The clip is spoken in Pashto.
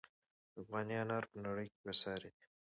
افغاني انار په نړۍ کې بې ساري دي.